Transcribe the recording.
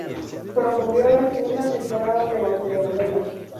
Promovió la segunda temporada de la telenovela.